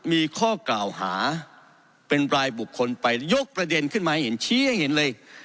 มีข้อกล่าวหาเป็นรายบุคคลไปยกประเด็นขึ้นมาให้เห็นชี้ให้เห็นเลย